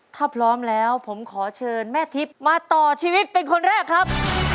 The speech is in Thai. ถ้าพร้อมแล้วผมขอเชิญแม่ทิพย์มาต่อชีวิตเป็นคนแรกครับ